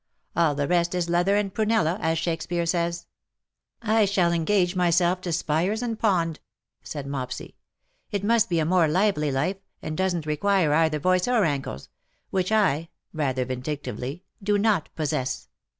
All the rest is leather and prunella, as Shakespeare says/^ " I shall engage myself to Spiers and Pond/' said Mopsy. " It must be a more lively life, and doesn^t require either voice or ankles — which V — rather vindictively —^' do not possess.